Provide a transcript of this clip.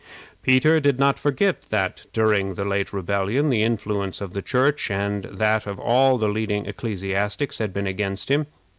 Peter did not forget that, during the late rebellion, the influence of the Church and that of all the leading ecclesiastics had been against him.